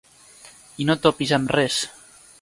I no topis amb res.